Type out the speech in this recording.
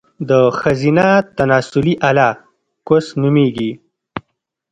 د ښځينه تناسلي اله، کوس نوميږي